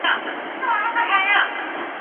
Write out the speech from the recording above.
په دولت که وای سردار خو د مهمندو عزیز خان وو